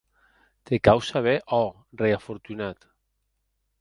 Te cau saber, ò rei afortunat!